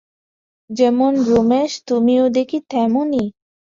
যেমন রমেশ, তুমিও দেখি তেমনি।